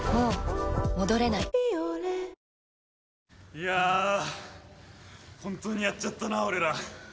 いや本当にやっちゃったな俺ら。